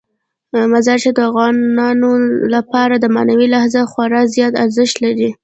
مزارشریف د افغانانو لپاره په معنوي لحاظ خورا زیات ارزښت لري.